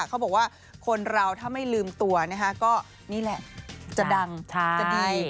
เขาบอกว่าคนเราถ้าไม่ลืมตัวก็นี่แหละจะดังจะดี